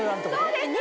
そうです。